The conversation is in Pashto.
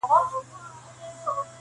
• چي د دام پر سر یې غټ ملخ ته پام سو -